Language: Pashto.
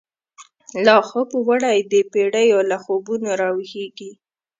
لاخوب وړی دپیړیو، له خوبونو راویښیږی